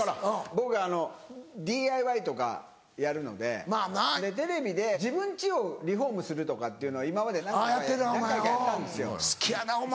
僕ＤＩＹとかやるのでテレビで自分家をリフォームするとかっていうのを今まで。やってるなお前好きやなお前。